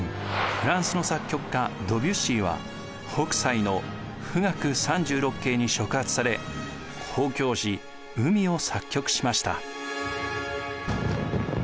フランスの作曲家ドビュッシーは北斎の「富嶽三十六景」に触発され交響詩「海」を作曲しました。